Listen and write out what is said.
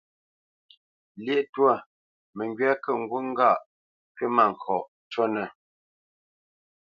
Lyéʼ twâ məŋgywá kə̂ ŋgût ŋgâʼ kywítmâŋkɔʼ cúnə̄.